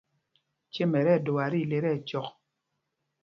Cêm ɛ tí ɛdɔa tí ile tí ɛcyɔk.